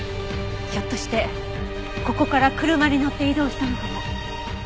ひょっとしてここから車に乗って移動したのかも。